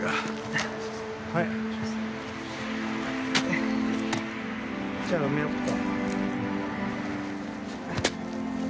・ハァ・じゃあ埋めよっか。